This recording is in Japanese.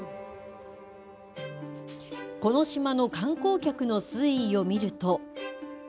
この島の観光客の推移を見ると。